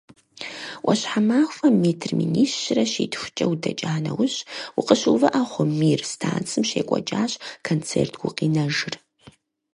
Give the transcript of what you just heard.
Ӏуащхьэмахуэ метр минищрэ щитхукӏэ удэкӀа нэужь, укъыщыувыӀэ хъу, «Мир» станцым щекӀуэкӀащ концерт гукъинэжыр.